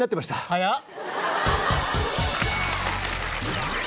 早っ！